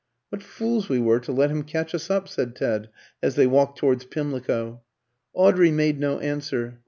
"What fools we were to let him catch us up," said Ted as they walked towards Pimlico. Audrey made no answer.